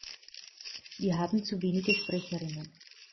Wir haben zu wenige Sprecherinnen.